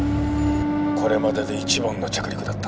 これまでで一番の着陸だった。